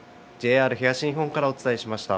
ＪＲ東日本からお伝えしました。